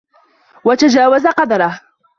وَتَجَاوَزَ قَدْرَهُ